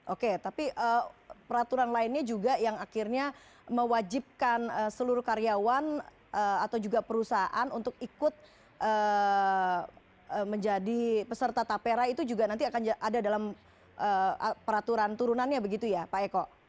oke tapi peraturan lainnya juga yang akhirnya mewajibkan seluruh karyawan atau juga perusahaan untuk ikut menjadi peserta tapera itu juga nanti akan ada dalam peraturan turunannya begitu ya pak eko